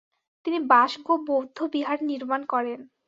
তিনি বাসগো বৌদ্ধবিহার নির্মাণ করেন।